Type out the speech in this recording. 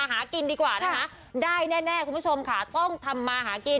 หากินดีกว่านะคะได้แน่คุณผู้ชมค่ะต้องทำมาหากิน